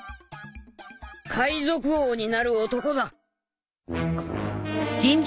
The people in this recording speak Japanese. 海賊王になる男だ。